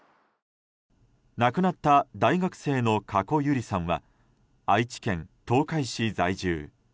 亡くなった大学生の加古結莉さんは愛知県東海市在住。